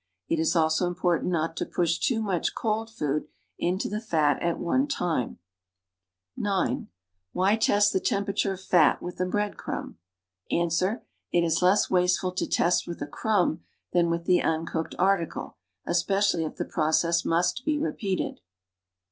It is also important not to put too much cold food into the fat at one time. (9) Wli\^ test the temperature of fat \\ ith a bread crumb.' Ans. It is less wasteful to test with a crumb than with the un cooked article, especially if the process must be repeated.